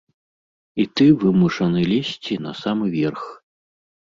І ты вымушаны лезці на самы верх.